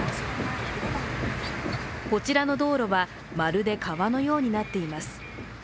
こちらの道路はまるで川のようになっています。